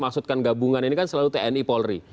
maksudkan gabungan ini kan selalu tni polri